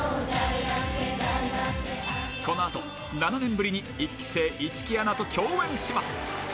このあと、７年ぶりに１期生、市來アナと共演します。